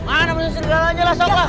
mana masih serigala aja lah sok lah